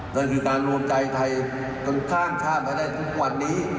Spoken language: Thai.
นั่นคือการรวมใจไทยจนสร้างชาติมาได้ทุกวันนี้